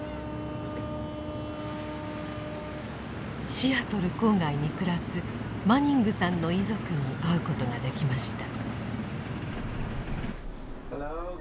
シアトル郊外に暮らすマニングさんの遺族に会うことができました。